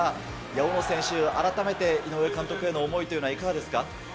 大野選手、改めて井上監督への思いというのはいかがですか。